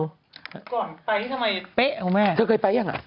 เธอเคยไปหรือเป๊ะค่ะแม่